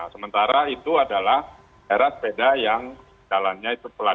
sementara itu adalah era sepeda yang jalannya itu pelan